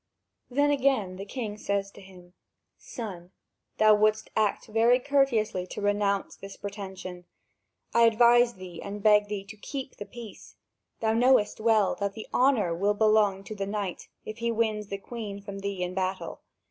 Then again the king says to him: "Son, thou wouldst act very courteously to renounce this pretension. I advise thee and beg thee to keep the peace. Thou knowest well that the honour will belong to the knight, if he wins the Queen from thee in battle.